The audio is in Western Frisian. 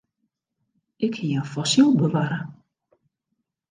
Ik hie in fossyl bewarre.